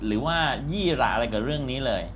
หรือว่ายี่หละอะไรกับเรื่องนี้เลย